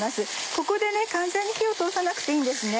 ここで完全に火を通さなくていいんですね。